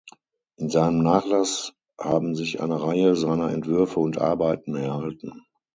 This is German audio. In seinem Nachlass haben sich eine Reihe seiner Entwürfe und Arbeiten erhalten.